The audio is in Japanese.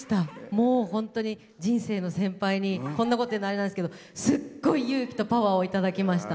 もう本当に、人生の先輩にこんなこと言うのあれなんですけどすごい勇気とパワーをいただきました。